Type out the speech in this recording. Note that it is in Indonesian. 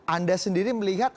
anda sendiri melihat